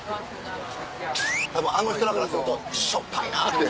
たぶんあの人らからするとしょっぱいなって。